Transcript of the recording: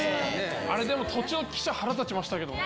あれでも、途中、記者、腹立ちましたけどね。